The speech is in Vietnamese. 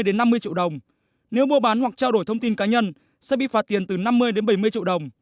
cụ thể doanh nghiệp viễn thông nếu mua bán hoặc trao đổi thông tin cá nhân sẽ bị phạt tiền từ năm mươi bảy mươi triệu đồng